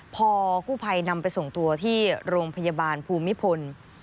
พอกู้ภัยนำไปส่งตัวที่โรงพยาบาลภูมิพล